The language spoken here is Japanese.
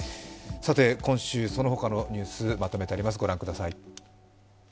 今週、そのほかのニュースまとめてあります。